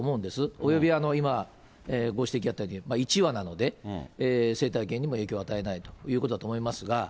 および今、ご指摘あったように、１羽なので、生態系にも影響を与えないということだと思いますが。